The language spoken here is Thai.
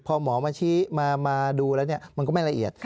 พอหมอมาชี้มาดูแล้วมันก็ไม่ละเอียด